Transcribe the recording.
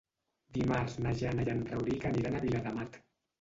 Dimarts na Jana i en Rauric aniran a Viladamat.